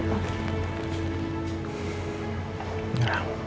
ada apa apa disini ya